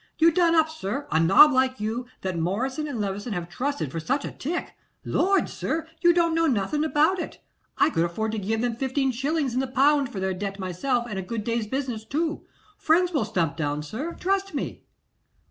You done up, sir! a nob like you, that Morris and Levison have trusted for such a tick! Lord! sir, you don't know nothing about it. I could afford to give them fifteen shillings in the pound for their debt myself and a good day's business, too. Friends will stump down, sir, trust me.